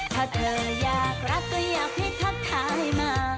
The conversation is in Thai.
ถ้าเธออยากรักก็อยากให้ทักทายมา